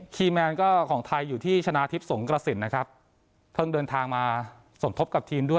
แมนก็ของไทยอยู่ที่ชนะทิพย์สงกระสินนะครับเพิ่งเดินทางมาสมทบกับทีมด้วย